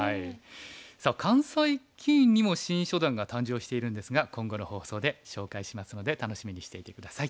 さあ関西棋院にも新初段が誕生しているんですが今後の放送で紹介しますので楽しみにしていて下さい。